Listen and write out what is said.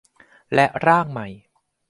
และร่างใหม่